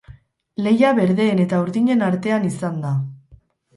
Lehia berdeen eta urdinen artean izan da.